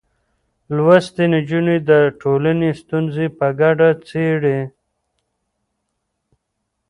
لوستې نجونې د ټولنې ستونزې په ګډه څېړي.